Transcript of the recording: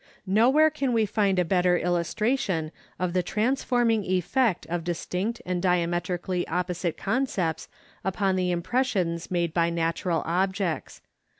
Nowhere can we find a better illustration of the transforming effect of distinct and diametrically opposite concepts upon the impressions made by natural objects.